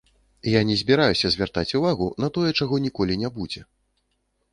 Я не збіраюся звяртаць увагу на тое, чаго ніколі не будзе.